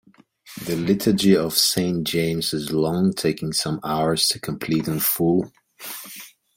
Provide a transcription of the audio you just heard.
The "Liturgy of Saint James" is long, taking some hours to complete in full.